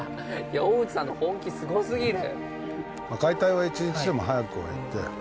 大内さんの本気すごすぎる。